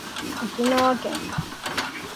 沖縄県